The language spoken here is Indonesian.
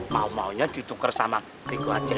mau maunya dituker sama tiku aja